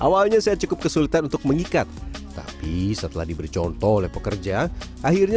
awalnya saya cukup kesulitan untuk mengikat tapi setelah diberi contoh oleh pekerja akhirnya